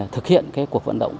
thực hiện cuộc vận động